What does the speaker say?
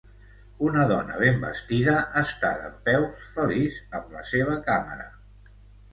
Una dona ben vestida està dempeus feliç amb la seva càmera.